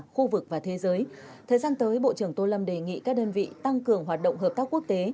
khu vực và thế giới thời gian tới bộ trưởng tô lâm đề nghị các đơn vị tăng cường hoạt động hợp tác quốc tế